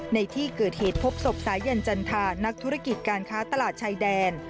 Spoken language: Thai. ในที่เกิดเหตุพบศพสายันจันทานักธุรกิจการค้าตลาดชายแดน